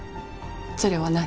それは何？